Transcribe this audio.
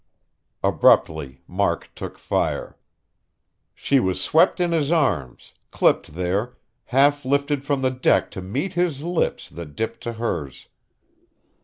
Abruptly, Mark took fire. She was swept in his arms, clipped there, half lifted from the deck to meet his lips that dipped to hers.